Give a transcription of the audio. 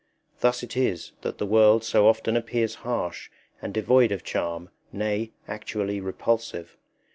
Thus it is that the world so often appears harsh and devoid of charm, nay, actually repulsive.